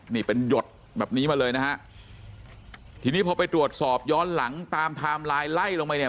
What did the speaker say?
นี่เป็นหยดแบบนี้มาเลยนะฮะทีนี้พอไปตรวจสอบย้อนหลังตามไทม์ไลน์ไล่ลงไปเนี่ย